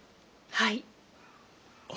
はい。